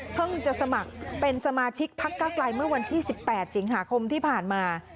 จะสมัครเป็นสมาชิกพักเก้าไกลเมื่อวันที่๑๘สิงหาคมที่ผ่านมา